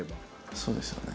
そうですよね。